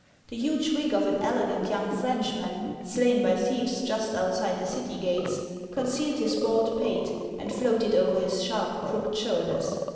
The huge wig of an elegant young Frenchman, slain by thieves just outside the city gates, concealed his bald pate and floated over his sharp, crooked shoulders.